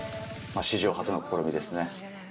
史上初の試みですね。